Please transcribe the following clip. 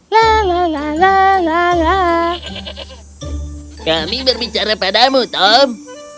kami berbicara padamu tom